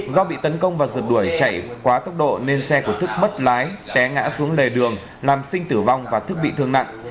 do bị tấn công và giật đuổi chạy quá tốc độ nên xe của thức mất lái té ngã xuống lề đường làm sinh tử vong và thức bị thương nặng